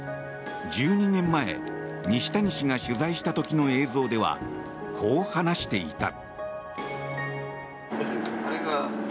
１２年前西谷氏が取材した時の映像ではこう話していた。